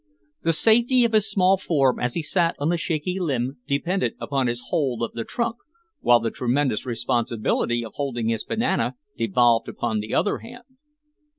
The safety of his small form as he sat on the shaky limb depended upon his hold of the trunk, while the tremendous responsibility of holding his banana devolved upon the other hand.